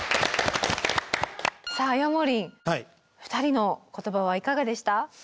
さあヤモリン２人の言葉はいかがでした？